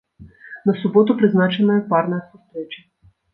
На суботу прызначаная парная сустрэча.